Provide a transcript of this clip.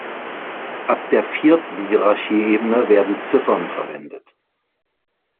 Ab der vierten Hierarchieebene werden Ziffern verwendet.